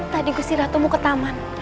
tadi gusiratumu ke taman